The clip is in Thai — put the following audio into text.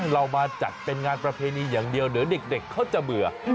เรามาจัดเป็นงานประเพณีอย่างเดียวเดี๋ยวเด็กเขาจะเบื่อ